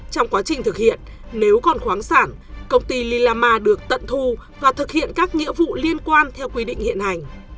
trong quá trình thực hiện nếu còn khoáng sản công ty lilama được tận thu và thực hiện các nghĩa vụ liên quan theo quy định hiện hành